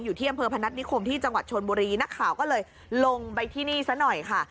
อยู่ที่อำเภอพนัฐนิคมที่จังหวัดชนบุรีนักข่าวก็เลยลงไปที่นี่ซะหน่อยค่ะ